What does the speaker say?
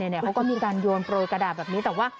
เขาก็มีการโยนโปรยกระดาษแบบนี้